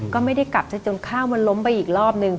ก็ไม่ได้กลับจนข้าวมันล้มไปอีกรอบนึง